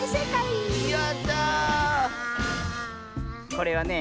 これはねえ